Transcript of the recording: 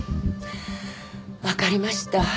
わかりました。